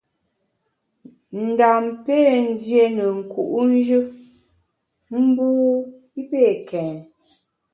Ndam pé ndié ne nku’njù mbu i pé kèn.